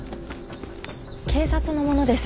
警察の者です。